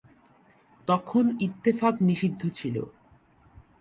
তখন ইত্তেফাক নিষিদ্ধ ছিল।